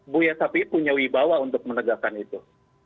buya syafiee punya wibawa untuk menegakkan itu